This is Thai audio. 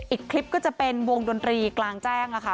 อีกคลิปก็จะเป็นวงดนตรีกลางแจ้งค่ะ